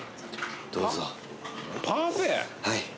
どうぞ。